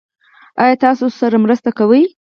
ایا تاسو ورسره مرسته کوئ؟